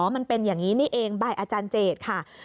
มันเป็นอย่างนี้นี่เองใบอาจารย์เจตค่ะ